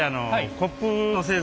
コップの製造。